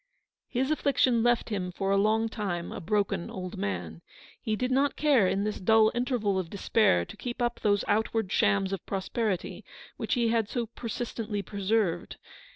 His affliction left him for a long time a broken old man. He did not care in this dull interval of despair to keep up those outward shams of prosperity which he had so persistently preserved.